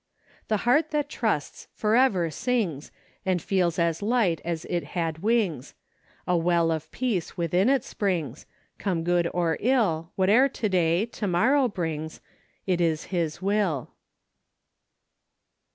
The heart that trusts forever sings. And feels as light as it had wings; ' A well of peace within it springs; Come good or ill, Whate'er to day, to morrow brings, It is his will."